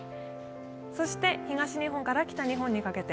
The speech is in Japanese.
そして東日本から北日本にかけて。